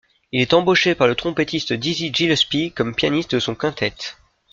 Il est embauché par le trompettiste Dizzy Gillespie comme pianiste de son quintette.